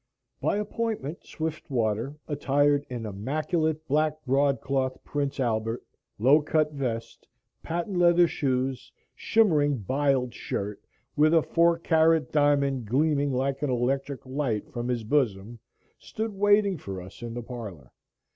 By appointment, Swiftwater, attired in immaculate black broadcloth Prince Albert, low cut vest, patent leather shoes, shimmering "biled" shirt, with a four karat diamond gleaming like an electric light from his bosom, stood waiting for us in the parlor.